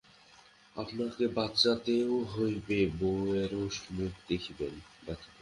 আপনাকে বাঁচিতেও হইবে, বউয়েরও মুখ দেখিবেন।